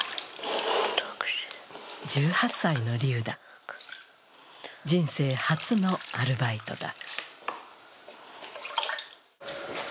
１８歳のリューダ、人生初のアルバイトだ。